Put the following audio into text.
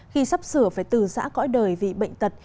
khi sắp sửa phải từ giã cõi đời vì bệnh tật